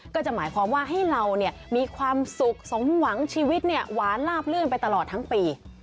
ก็จะหมายความว่าให้เรามีความสุขสมหวังชีวิตหวานลาบลื่นไปตลอดทั้งปี